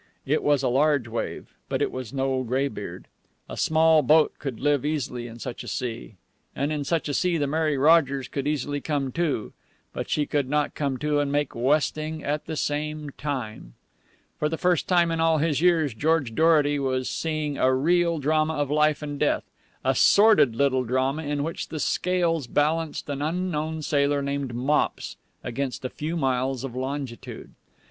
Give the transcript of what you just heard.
It was a large wave, but it was no graybeard. A small boat could live easily in such a sea, and in such a sea the Mary Rogers could easily come to. But she could not come to and make westing at the same time. For the first time in all his years, George Dorety was seeing a real drama of life and death a sordid little drama in which the scales balanced an unknown sailor named Mops against a few miles of longitude.